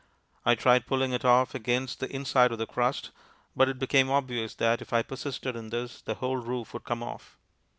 I tried pulling it off against the inside of the crust, but it became obvious that if I persisted in this, the whole roof would come off.